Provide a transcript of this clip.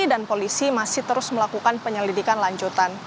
dan polisi masih terus melakukan penyelidikan lanjutan